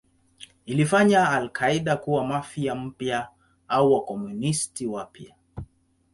Ilifanya al-Qaeda kuwa Mafia mpya au Wakomunisti wapya.